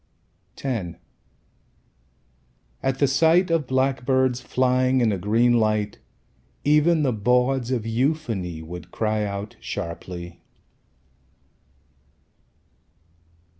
X At the sight of blackbirds Flying in a green light Even the bawds of euphony Would cry out sharply.